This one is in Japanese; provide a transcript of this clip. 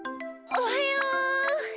おはよう。